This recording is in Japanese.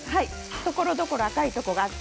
ところどころ赤いところがあって。